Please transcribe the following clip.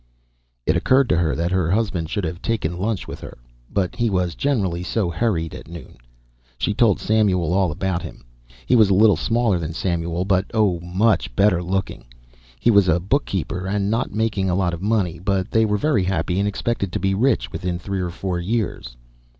It occurred to her that her husband should have taken lunch with her but he was generally so hurried at noon. She told Samuel all about him: he was a little smaller than Samuel, but, oh, MUCH better looking. He was a book keeper and not making a lot of money, but they were very happy and expected to be rich within three or four years.